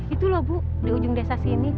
itu loh bu di ujung desa sini